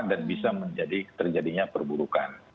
dan bisa menjadi terjadinya perburukan